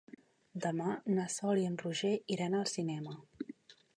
Demà na Sol i en Roger iran al cinema.